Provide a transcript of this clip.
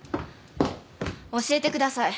教えてください。